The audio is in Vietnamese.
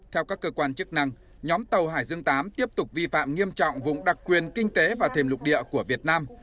theo các cơ quan chức năng nhóm tàu hải dương viii tiếp tục vi phạm nghiêm trọng vùng đặc quyền kinh tế và thềm lục địa của việt nam